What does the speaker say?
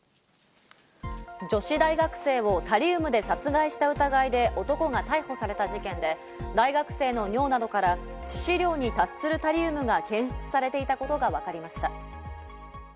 女子大学生をタリウムで殺害した疑いで男が逮捕された事件で、大学生の尿などから致死量に達するタリウムが検出されていたことがわかりました。